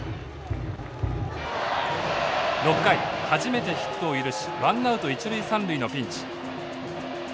６回初めてヒットを許しワンナウト一塁三塁のピンチ。